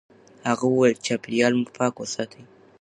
هغه وویل چې چاپیریال مو پاک وساتئ.